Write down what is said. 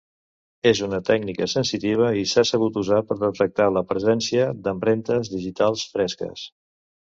És una tècnica sensitiva, i s'ha sabut usar per detectar la presència empremtes digitals fresques.